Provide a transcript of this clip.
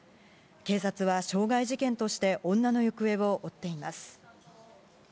警察は傷害事件として、女の行方を追っています。